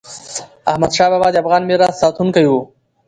احمدشاه بابا د افغان میراث ساتونکی و.